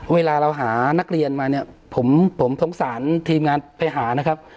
เวลาเราหานักเรียนมาเนี่ยผมสงสารทีมงานไปหานะครับ